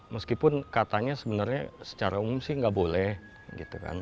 meskipun katanya sebenarnya secara umum sih nggak boleh gitu kan